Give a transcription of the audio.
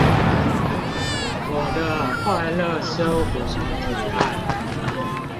我的快樂生活提案